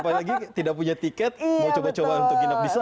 apalagi tidak punya tiket mau coba coba untuk nginap di sana